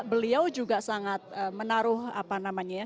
beliau juga sangat menaruh apa namanya ya